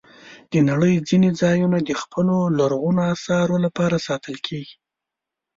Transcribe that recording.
د نړۍ ځینې ځایونه د خپلو لرغونو آثارو لپاره ساتل کېږي.